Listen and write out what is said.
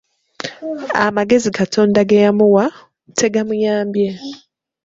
Amagezi Katonda ge yamuwa, tagamuyambye.